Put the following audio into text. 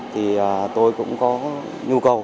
thì tôi cũng có nhu cầu một số hàng như ví dụ như hàng ăn hàng ăn